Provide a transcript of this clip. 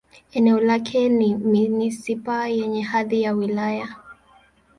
Eneo lake ni manisipaa yenye hadhi ya wilaya.